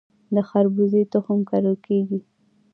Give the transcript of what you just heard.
د خربوزې تخم کرل کیږي؟